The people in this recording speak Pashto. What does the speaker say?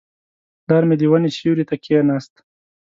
پلار مې د ونې سیوري ته کښېناست.